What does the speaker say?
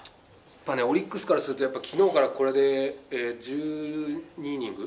オリックスからすると、きのうからこれで、１２イニング？